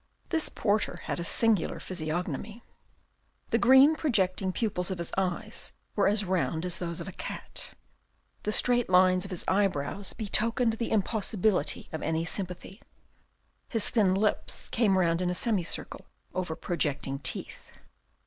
This porter had a singular physiognomy. The green projecting pupils of his eyes were as round as those of a cat. The straight lines of his eyebrows betokened the impossibility of any sympathy. His thin lips came round in a semicircle over projecting teeth.